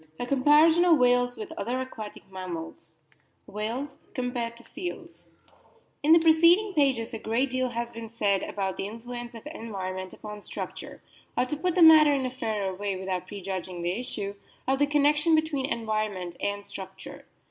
A COMPARISON OF WHALES WITH OTHER AQUATIC MAMMALS WHALES COMPARED TO SEALS IN the preceding pages a great deal has been said about the influence of environment upon structure, or to put the matter in a fairer way without pre judging the issue, of the connection between en vironment and structure.